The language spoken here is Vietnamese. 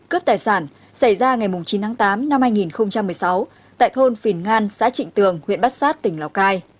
cướp tài sản xảy ra ngày chín tháng tám năm hai nghìn một mươi sáu tại thôn phìn ngan xã trịnh tường huyện bát sát tỉnh lào cai